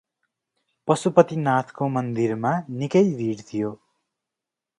पशुपतिनाथको मन्दिरमा निकै भीड थियो ।